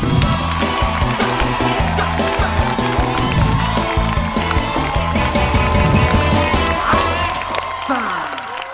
ที่๕เริ่ม